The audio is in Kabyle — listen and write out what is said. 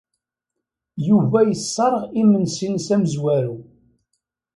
Yuba yesserɣ imensi-nnes amezwaru.